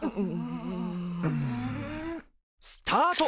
スタート！